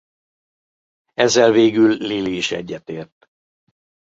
Ezzel végül Lily is egyetért.